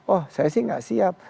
oh saya sih nggak siap